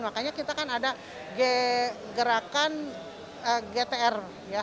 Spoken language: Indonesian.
makanya kita kan ada gerakan gtr